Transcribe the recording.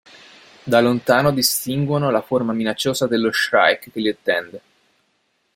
Da lontano distinguono la forma minacciosa dello Shrike che li attende.